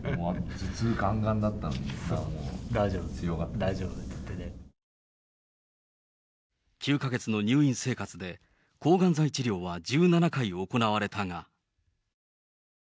頭痛、がんがんだったのにさ、強９か月の入院生活で、抗がん剤治療は１７回行われたが。